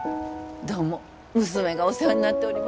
どうも娘がお世話になっております